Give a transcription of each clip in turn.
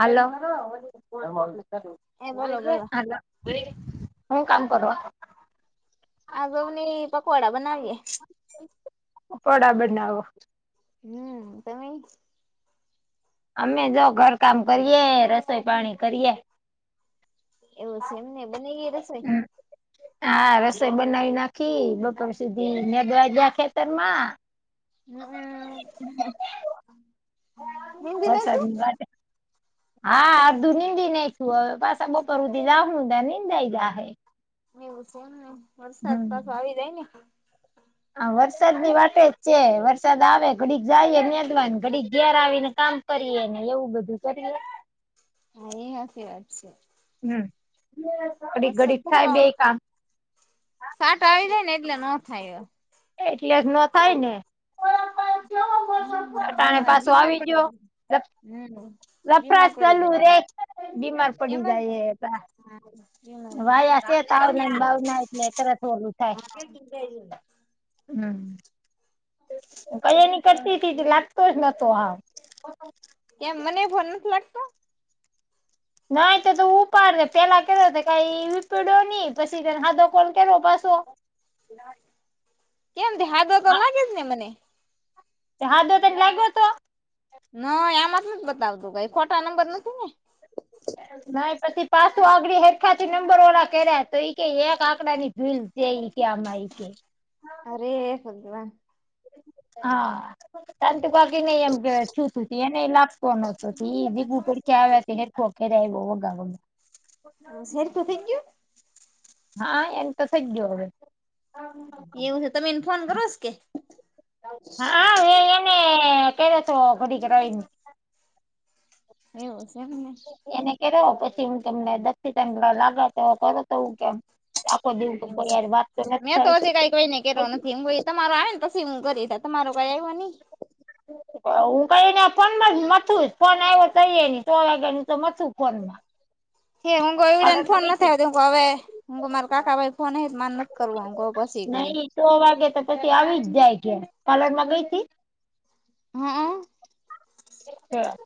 Hello હ એ બોલો બોલો હું કામ કર આગમ પકોવાડા બનાવીએ પોળા બનાવો હમ તમે અમે જો ઘરકામ કરીએ રસોઈ પાણી કરીએ એવું છે એમ ને બને ગય હ હા રસોઈ બનાવી નાખી બપોર સુધી મેદવાજા ખેતર માં હમ નિમ દનેતું. વરસાદની વાટે હા અધું નિંદ નાખયું હવે પાછા બપર ઉધી લાવણ ઉા નિંદાઈ ગ હે. એવું છે ને વરસાદ પાછો આવી જાય ને. હા વરસાદ ની વાત જ છે વરસાદ આવે ઘડી જાય ન્યાદમાં ઘડી ઘેર આવી ને કામ કરીએ ને એવું બધું કરી. હા એ હસીી વાત છે. હમ અડી વરસાદ ઘડીિત થાય બે કામ. સાટ આવી જાય ને એટલે ન થાય. એટલે જ ન થાય ને. હમ એવ અટાણે પાછો નદીલી આવી ગયો માતાડ. હમ બીમાર લફરાશ પડી ચાલુ જાય. રે બીમાર પડી એમ જાય એ ત. વાય આશે ત ભાવ ના એટલે તરત ઓલું થાય. જ હમ કઈ નીકતી હતી લાગતો જ નતો આમ. કેમ મને એ ફોન નથી લાગતો. નાહી તો ત ઉપાડ પેલા કે કઈ વિપડ્યો નહી પછીને હાદો કોલ કે પાછો. બના એમ દે હ તો લાગેદને મને. તે હા ધો તારી લાગ્યો હતો. નહી આમાં જ નથી બતાવતું કઈ ખોટા નંબર નથી ને. [inaudible] ના પછી પાછું આગળડી હેઠખાથી નંબર વાળા કર્યા તોઈ કે એક આંકડા ની જોઈ જઈ કે અમમા કે. અરે શધવા હા તંતુ બાકી નઈ એમ કેું તું એને લાગતો નતો બીુડ ક્યાં તેર ખોકેરે એ બો ગમાં. હ સેર તો તૈંગ્યું. [unintelligible] [inaudible] હા એંત સજજ્યો હોવે. [inaudible] [unintelligible] એવું છે તમે એને ફોન કરોસ કે. [inaudible] હા એને ક હતો ઘડીક રવીને. [inaudible] [unintelligible] એવું છે મને એને કેો પછી હું તમને દી ત લાગાવ તો કરું. તોું કેમ આખો દેવું કે એવું છે કોઈયાર વાત તો નથી થાય. તમારરો આવે ને પછી હું કરી તમારરો કઈ આવ્યો નહી. હું કઈ ને ફોન માં જ મથું ફોન આવ્યો તોઈ ને તો વાગે ન તો મથું ફોન માં હેમ. હડે ને ફોન નથી આવતો હ હવે હ મારે કાકા ભાઈ ફોન માન નથી કરવું હમ કહ પછી કરી. નહી સો વાગે તો પછી આવી જ જાય છે કલર માં ગઈ. હા. [inaudible] [unintelligible]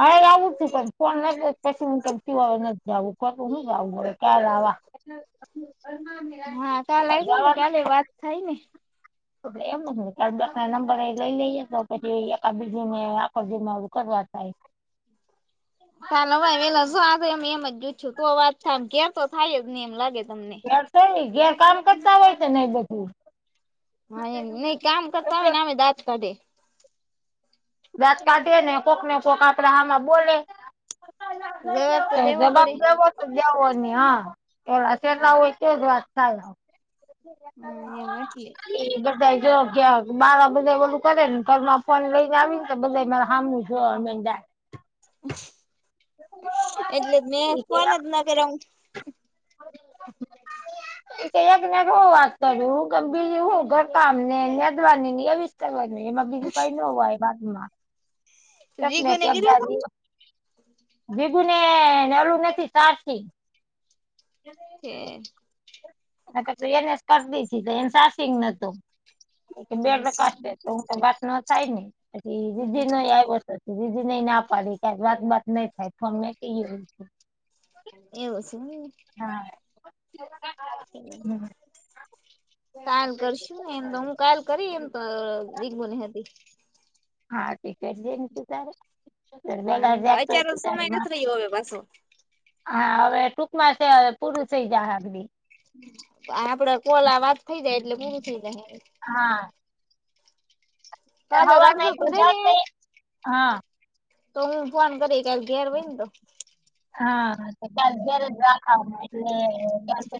હરે આવું તું પણ ફોન નથી પછી હ કમ નથી જું ખોટું ન જું પડે ક્યા આવવા. અ અદવાદ. થઈને. એલે એમ જ નંબર લઈ લઈએ તો પછી ને આળ જેને કરવાતાાય. ચાલો ભાઈ વેલા જો આ થ એમ એમ જ ગુ છું તો વાત થાય એમ કેર તો થાય જ ને એમ લાગે તમને. ન જ્યાં કામ કરતા હોય છે નને બધું. હા એ નહી કામ કરતા હોય એટલે ને અમે દાત કાઢે. દાંત કાઢે ને કોક ને કોક આપડે આમાં બોલે. જવાબ તો દેવો જવાબ પડે દવો તો જવો નહી હા એ શેર ના હોય તોજ વાત થાય હા. હા એમ એટલે એ બધા જો ક્યાં બાર બધા બધું કરે ને ઘરમાં આપવાને લઈને આવી તો બધાં મર સામું જોવા મંડયા એટલે મેં ફોન જ ના કર્યો હ [inaudible] એક ને એક હું વાત કરું ગ બીજું હું ઘર કામ ને મેદવાની ની વાની હોય એમાં બીજું કઈ ન હોય વાતમાં તેજ મેં જીગુને કેમ કીધું તું દીધું ને નેલું નથી સારથી હ [inaudible] પી એને કરતી તો એને ચાજીગ નતું હમ બેડકાશે તો હું તો વાત ન થાય ને પછી દીદી ન આવ દીદી નેઈ ના પાડી કે વાત બાત નઈ થાય તો અમને કહીએ એવું છે. હા હમ કાલ કરશું ને એમ તો હું કાલ કરી એમ તો રીગભોને હતી હા તી કરી જે ને તો તારે હા એમ જા હોઈ અત્યારે ત્યાર સમય બા નથી રહ્યો હવે પાછો હા હવે ટૂંકમાં છે પૂરું થઈ જાહે એમબી આપડા કોલ આ વાત થઇ જાય એટલે પૂરું થઇ જાય હા કાલે હવા રાખજો નાખું ભરીને જાય હા તો હું ફોન કરીને ઘેર હોય ને તો હા જ્યારે જ રાખા એટલે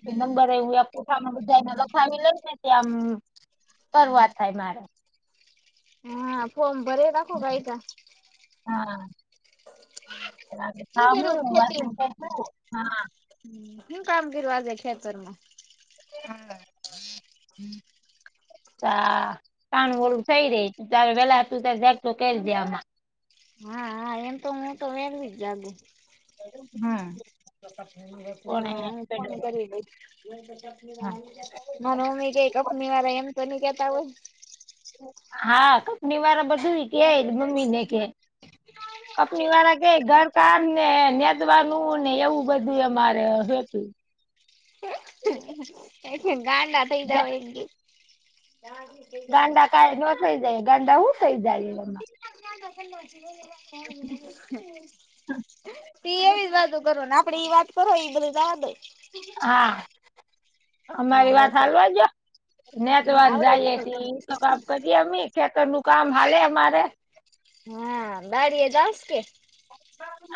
પછી નંબર એવું કોઠા માં બધાય ને લખાવી લે ને ત્યાં કરવા થાય મારે હા ફોર્મ ભરે રાખો ગઈ તો હા મું શું કર્યું ખેતી સાંભળો હા હું કામ કરવા જઈ ખેતરમાં હા હમ કા કાન વળું થઈ રહી ત્યારે વેલા તું ત જખ તો કરી દેમાં હા હા એમ તો હું તો વેલી જ જાગુ હા હા હું ફોન હોય. કરી દઈ હા. મા મમ્મી કે કંપનીવાળા એમ તો નહી કેતા હોય હા કંપની વાર બધું કે મમ્મી ને કે કંપની વાળા કઈ ઘરકાર ને નેદવાનું ને એવું બધું અમારે હતું એવ એથી ગાંડા થઈ જવાય એમ કે એ ગાંડા કાઈ ન થઈ જાય ગાંડા ઉ થઈ જાય એમાં ગ જ હે [unintelligible] પી એવી જ વાતો કરો ને આપડે એઈ વાત કરો એ બધી જવા દો હા હા અમારી વાત બસ હાલવા જો નેચ વાત આવડે જાય એ તો કામ કરીએ અમે ખેતર નું કામ હાલે અમારે હા દાડી એ ચાલશે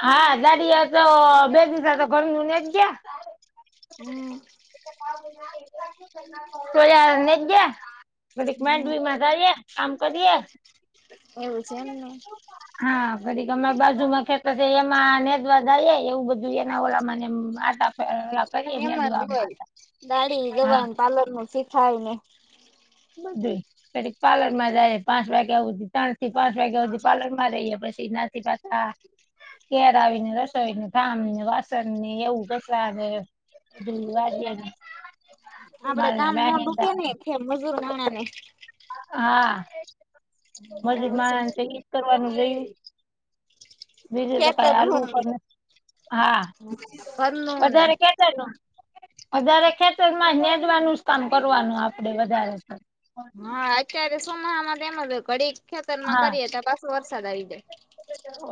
હા દાડીયાતો બે દિવસ તો ઘર ન ને ગયા હમ ાર જ ગયાડ હમ [unintelligible] કરીઆ એકામ કરીએ એવુ છે એમનું હા ફરી તમારી બાજુમાં ખેતો છે એમાં નેદવા જાય એવું બધું એના ઓલા [unintelligible] એમ જ નેદવામાં હોય આટા. દાડી હા ગવા, પાલર નું શીખાય ને. મધે. પાર્લરમાં જાય પાંચ વાગ્યા સુધી ત્રણ થી પાંચ વાગ્યા સુધી પાર્લર માં રઈએ પછી ન્યા થી પ હા, ઘેર આવીને રસોઈને કામને, વાસણ ને એવું કસરાને [unintelligible] આપડે કામ ના ડુકે ને છે મજૂર નાણા ને. હા મજુર એવું છે માણહ ને તો ઈજ કરવાનું હોય. બીજું તો ખેતર કઈ આલુ નું પણ, હા, ઘરનું ને વધારે કઈ વધારે ખેતરમાં નેદવાનું જ કામકરવાનું આપડે વધારે તો. હા અત્યારે સોમાહા માં તેમજ ઘડી ખેતર માં હા કરીએ તો પાછો વરસાદ આવી જાય.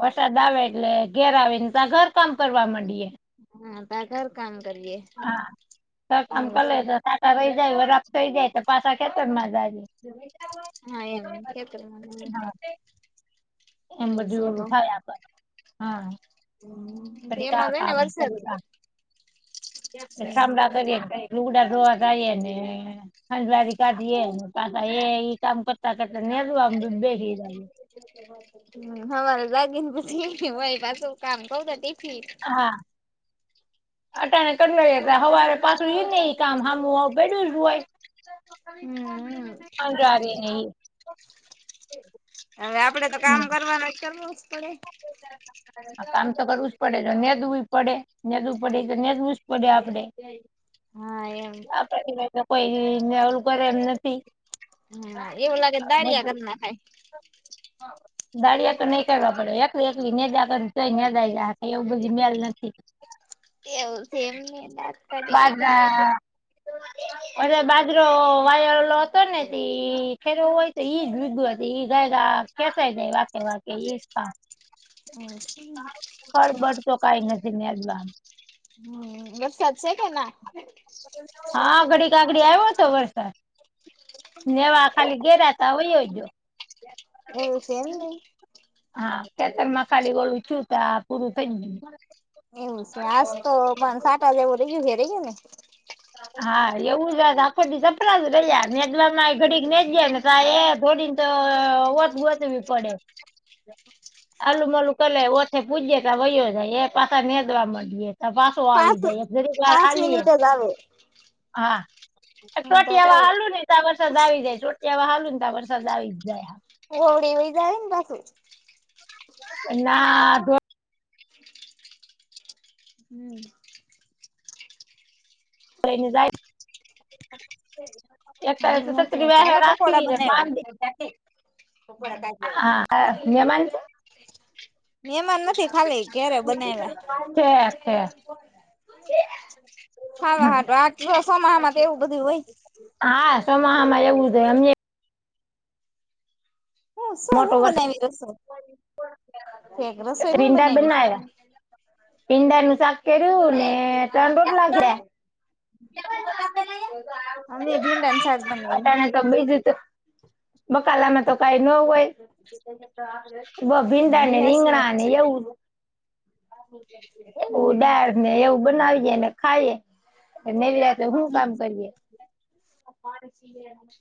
વરસાદ આવે એટલે ઘેર આવીને ત્યા ઘર કામ કરવા માંડીએ. હા તા ઘર કામ કરીએ. હા ઘર કામ એવું કર છે તો સાતા રહી જાય વરખ થઈ જાય તો પાસા ખેતરમાં જાઈને. હા એમ ખેતર માં [inaudible] હા એમ બધું ઓળું થાય આપણે, હા. [unintelligible] [unintelligible] કા કા હોય ને કામ વરસાદ કરીએ. હમ કામ રાખે ને કઈ લુગડા ધોવા જાઈએને. હંજવારી કાઢીએ પાસા એ ઈ કામ કરતા કરતા નેરવા બે [inaudible] હમ્મ હવારે જાગીનેય પાછા કામ કરતી. હા, અટાને કતલે, હવારે પાછું ઈ ને ઈ કામ હામુ પૈડું હોય. હમ અંગારીને ઈ. હવે આપડે તો કામ હમ કરવાના જ કરવું જ પડે. [inaudible] કામ તો કરવું જ પડે જો નેદવું પડે, નેધવું પડે, તો નેદવું જ પડે આપડે. હા એમ. આપવાય કોઈ નેવલું કરે એમ નથી. હા એવું લાગે તો દાળિયા કર નખાય. દાળિયા તો નહી કરવા પડે એક એકલી નેદા કર તોય નેદાખ એવું બધી મેલ નથી. એવું જે એમને દાત કાઢ [unintelligible] અને બાજરો વાયલો હતો ને તી ફેરવો હોય તો ઈ જ બીધું હતી ગાય. કેસાય જાય વાકે વાકે એ જ વાક. [unintelligible] ખળબળ તો કઈ નથી નેદવા. હમ્મ, વરસાદ સે કે ના? હા ઘડી ક આગડી આવ્યો હતો વરસાદ નેવા ખાલી ગેરા ત્યાં વયો જ્યો. એવું સે એમને. હા ખેતર માં ખાલી ગોળું છતા પૂરું થઈ ગ્યું. એવું છે આજ તો પણ સાતાજેવું રેયું છે ર ગયું ને? હા એવું જ વાત આખો દિ સપડા જ રહ્યા નેદવામાં ઘડી નેચ્યા ને રા એ થોડીને તો વત ગોચવી પડે. આલુ મલું કરલે ઓછે પૂજે તા વયો જાય એ પાછ નેદવા તા પાછો આવી પાંચ જાય એ. જરીક વાર પાંચ આલીએ. [inaudible] હા એમ તો ચોટી હવા કવ હાલું ને તો વરસાદ આવી જાય. એવ હાલું ત પણ સદા આવી જાય હ. [unintelligible] ન હમ્મ. [unintelligible] એ સતરી હા વ્યા ચાલો પકોડા રાતીને બા. [inaudible] [unintelligible] હા. મહેમાન નથી [unintelligible] ખાલી ઘેરે બનાવ્યા [unintelligible] [inaudible] હાવા હાો આ સોમામાં એવું બધું હોય. હા સોમાહામાં એવું થ એમને રસોઈ મોટો શું વરસાદ બનાવી રસોઈ એક રસોઈ શું બનાવી? પીંડા નું શાક કે્યું ને ટાંડો જ લાગ્યા અમે ભીંડન શક બના અટાણે તો બીજું તો બકાલામાં તો કઈ ન હોય. બ હા ભિંડાાને એ હાચી વાત રીંગણાને છે એવું એવું ડળ ને એવું બનાવીએ ને ખાઈએ. નવી રાતો હું કામ કરીએ.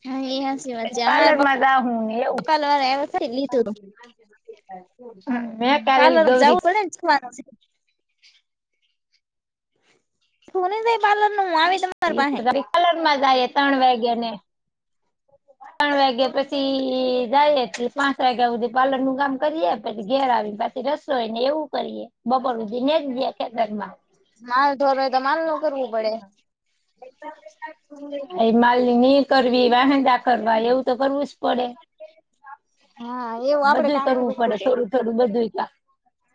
હા એ પાર્લરમાં રા હું ને એવું [unintelligible] રી લીધું હમ મેં કાલે પાર્લર ગૌરી જવું પડેનેવાનું [unintelligible] કલરમાં જ ત્રણ વાગ્યા ને ત્રણ વાગ્યા પ છી જાય એ પા ધી પ્લર નું કામ કરીએ પછી ઘેર આવી પછી રસોઈ ને એવું કરીએ બપોર દિનેશ જે કે ધરમાં માલ ઢોર હોય તો માલ નું કરવું પડે. એ માલ કરવી વાહંદા કરવા એવું તો કરવું જ પડે હા એવું આપડે બધું કામ કરવું પડે ખૂટે. થોડું થોડું બધું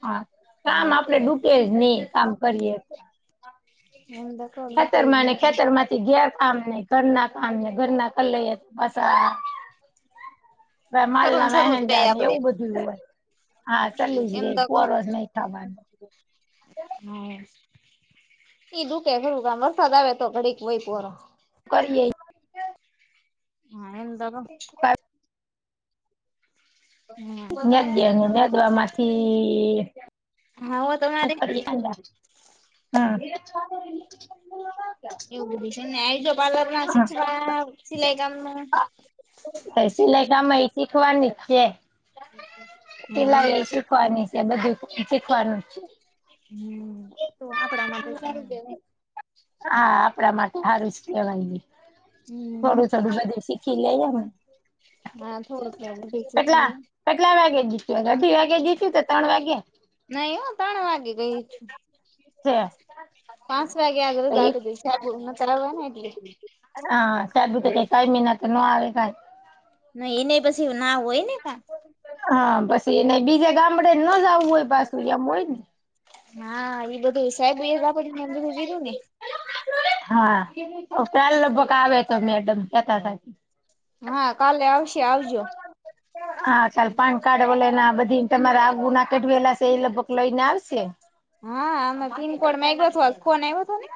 હા કામ હા આપડે એવું. ડૂટે જ નહી કામ કરીએે તો. [unintelligible] ખતર કામ ખેતરમાં ઘેર કામ નહ ઘર ના કામ ઘર ના ક લઈ તો બસ માલ ખરું ના શરૂ જ ગઈ વહેદા ની આપડે એવું બધું હા ચલું જ એમ રે તો પરોસ નહી ખાવાનું હા ઈ દુખે ખરું કામ વરસાદ આવે તો ઘડીક વયપરો કરીએ. [unintelligible] [unintelligible] હમ નદયાને નાદવા માંથી હા. [unintelligible] હા. એવું બધી છે ને આજ પાર્લર શીખવા સિલાઈ કામ ન સિલાઈ કામ એ શીખવાની છે. હા પેલ્લા એમ તો એ કઉ. શીખવાની સે બધું શીખવાનું છે.. હમ્મ તો આપડા માટે સારું કેવાય. આ-આ-આ આપડા માટે હારું જ કેવાઈ હમ થોડું થોડું બધેય શીખી લેઈએ ને. આમ થોળો [inaudible] બેચી કેટલા છીએ. કેટલા વાગે જીત્યા કઢી વાગે જીત્યુ કે તન વાગે નઈ અ તણ વાગે ગઇ છું. ચા પાંચ વાગ્યા [inaudible] જાબુ ને કરાવાને એટલે આ-આ-આ તો બી તે કઈ કાઈ મેના તો ન આવે કાઈ નઈ એને પછી ના ઓય ને કા કામ પસી એને બીજા ગામડે ન જાવું હોય પાસુ એમ હોય ને ના-ના-ના એ બધું [inaudible] કીધું ને હાઆ-આ-આ ઓ કાલ લગભગ આવે તો મેડમ નેતા થાય હઆ કાલે આવશે આવજો. હા ચાલ પાનકાર્ડ વલેને બધી તમારા આવ ગુના કેઢવેલા સે એ લગભગ લઈ ને આવશે. હઅ-અ-અ અમે પિનકોડ માયગો છલ કોને હતો ને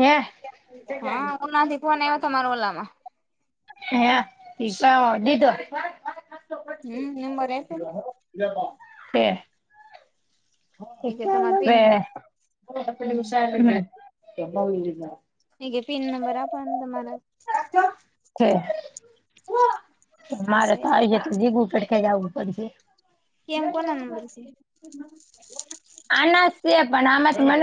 હે હા [inaudible] આયવો તો માર ઓલામાં હે દીતાવો દીધો હમ નંબર આપ્યો ને દે એ કે તમારે પિન વે હમ હમ્મ પીગે પીન નંબર આપો ન તમારે તે મારે તા આયી ગ્યા ત જીગું પડી તે જાવું પડશે. કેમ કોના નંબર સે? આના છે પન આમાં ત મને